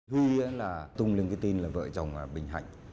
huy là tung lên cái tin là vợ chồng bình hạnh